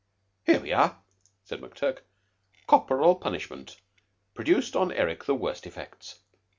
"Here we are!" said McTurk. "'Corporal punishment produced on Eric the worst effects.